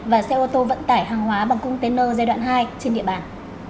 và xe ô tô vận tải hàng hóa bằng container giai đoạn hai trên địa bàn